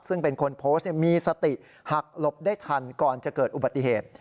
ซึ่งเป็นคนโพสต์มีสติหักหลบได้ทันก่อนจะเกิดอุบัติเหตุ